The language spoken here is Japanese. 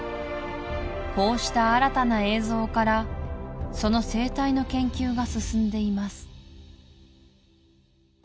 こうした新たな映像からその生態の研究が進んでいます